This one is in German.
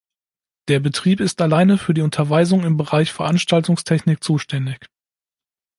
Der Betrieb ist alleine für die Unterweisung im Bereich Veranstaltungstechnik zuständig.